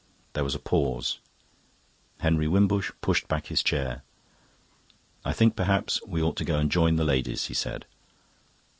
There was a pause. Henry Wimbush pushed back his chair. "I think perhaps we ought to go and join the ladies," he said.